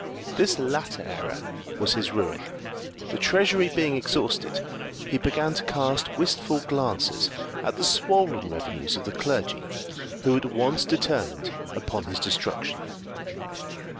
This latter error was his ruin. The treasury being exhausted, he began to cast wistful glances at the swollen revenues of the clergy, who at once determined upon his destruction.